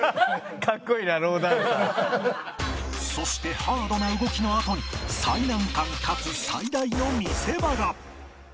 そしてハードな動きのあとに最難関かつ最大の見せ場が